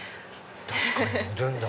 確かにおでんだ！